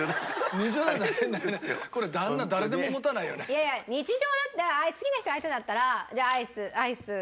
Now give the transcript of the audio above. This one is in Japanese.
いやいや日常だったら好きな人相手だったらじゃあアイス。